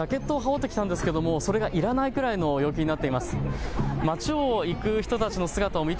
きょう私ジャケットを羽織ってきたんですけどもいらないくらいの陽気になっています。